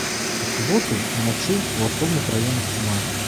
У суботу ўначы ў асобных раёнах туман.